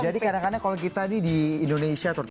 jadi kadang kadang kalau kita di indonesia